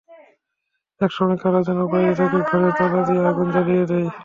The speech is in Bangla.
একসময় কারা যেন বাইরে থেকে ঘরে তালা দিয়ে আগুন জ্বালিয়ে দেয়।